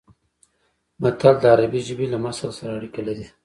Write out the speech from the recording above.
متل د عربي ژبې له مثل سره اړیکه لري